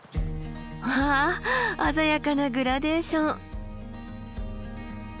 わあ鮮やかなグラデーション。